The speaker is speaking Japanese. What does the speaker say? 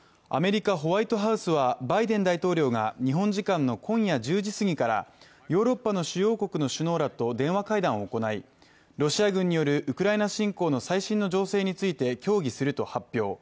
アメリカ・ホワイトハウスはバイデン大統領が日本時間の今夜１０時すぎからヨーロッパの主要国の首脳らと電話会談を行いロシア軍によるウクライナ侵攻の最新の情勢について協議すると発表。